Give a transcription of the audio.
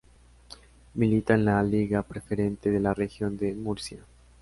Milita en la Liga Preferente de la Región de Murcia.